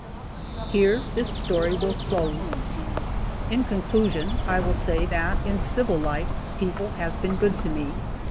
Here this story will close. In conclusion I will say that in civil life people have been good to me.